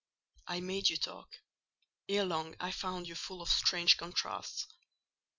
I made you talk: ere long I found you full of strange contrasts.